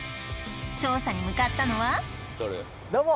調査に向かったのはどうも！